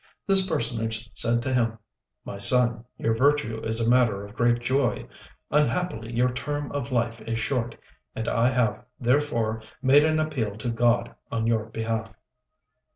This personage said to him, "My son, your virtue is a matter of great joy; unhappily your term of life is short, and I have, therefore, made an appeal to God on your behalf."